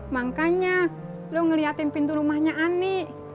makanya lu ngeliatin pintu rumahnya ani